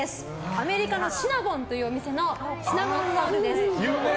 アメリカのシナボンという店のシナモンロールです。